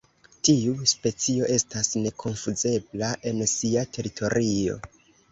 Tiu specio estas nekonfuzebla en sia teritorio.